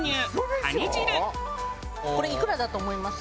これいくらだと思います？